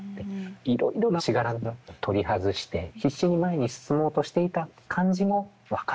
いろいろなしがらみを取り外して必死に前に進もうとしていた感じも分かる。